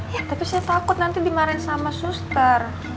ya tapi saya takut nanti dimarahin sama suster